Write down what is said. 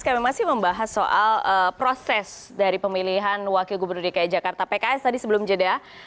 kami masih membahas soal proses dari pemilihan wakil gubernur dki jakarta pks tadi sebelum jeda